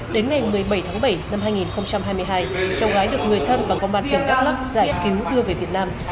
đến ngày một mươi bảy tháng bảy năm hai nghìn hai mươi hai cháu gái được người thân và công an tỉnh đắk lắc giải cứu đưa về việt nam